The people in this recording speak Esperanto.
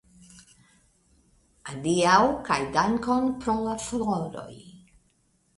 Adiaŭ, kaj dankon pro la floroj.